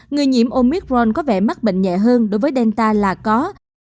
người nhiễm omicron có vẻ mắc bệnh nhẹ hơn đối với delta là có